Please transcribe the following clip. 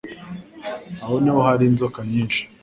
aha niho hari inzoka nyinshi